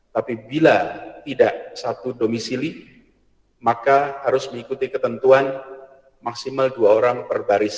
tapi bila tidak satu domisili maka harus mengikuti ketentuan maksimal dua orang per baris